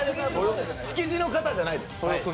築地の方でもないです。